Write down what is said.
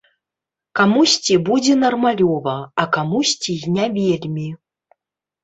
Камусьці будзе нармалёва, а камусьці і не вельмі.